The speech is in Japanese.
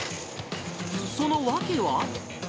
その訳は。